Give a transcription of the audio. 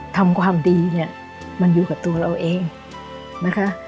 ทำความดีเนี่ยมันอยู่กับตัวเราเองนะคะ